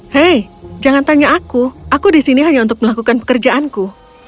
hei jangan tanya aku aku di sini hanya untuk melakukan pekerjaanku